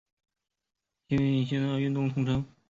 崎京线的运行系统通称。